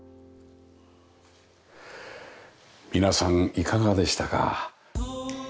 皆さんいかがでしたか？